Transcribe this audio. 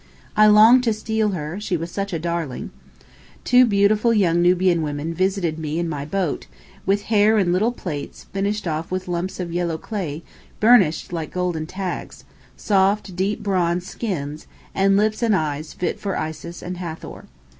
I longed to steal her, she was such a darling. Two beautiful young Nubian women visited me in my boat, with hair in little plaits finished off with lumps of yellow clay burnished like golden tags, soft, deep bronze skins, and lips and eyes fit for Isis and Hathor.